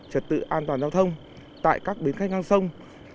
trật tự an toàn giao thông tại các bến khách ngang sông